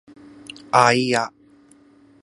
あいあ